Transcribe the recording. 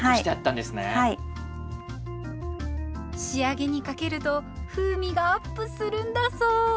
仕上げにかけると風味がアップするんだそう。